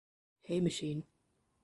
hey machine